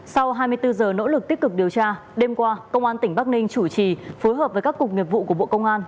sau hai mươi bốn giờ nỗ lực tích cực điều tra đêm qua công an tỉnh bắc ninh chủ trì phối hợp với các cục nghiệp vụ của bộ công an